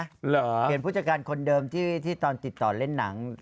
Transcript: เห็นผู้จัดการคนเดิมที่ตอนติดต่อเล่นหนัง